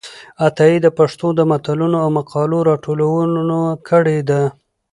عطايي د پښتو د متلونو او مقالو راټولونه کړې ده.